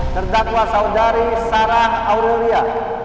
terdakwa saudari sarah aurelia